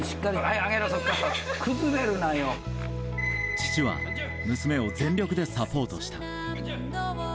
父は娘を全力でサポートした。